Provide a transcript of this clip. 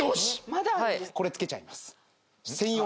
これ付けちゃいます。